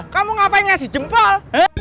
kamu ngapain ya si jempol